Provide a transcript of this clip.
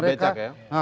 enggak harus becak ya